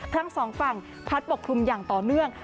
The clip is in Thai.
ทั้งสองฝั่งพัดปกคลุมอย่างต่อเนื่อง